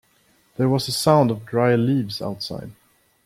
There was a sound of dry leaves outside.